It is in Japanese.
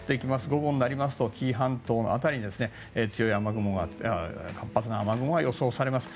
午後になりますと紀伊半島の辺りに強い雨雲、活発な雨雲が予想されます。